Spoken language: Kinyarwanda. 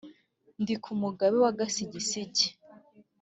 ndi ku mugabe w’agasigisigi,